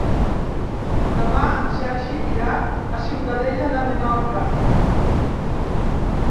Demà en Sergi irà a Ciutadella de Menorca.